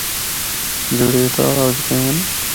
جِڑّے اِتھّا آ ہکدے ہن۔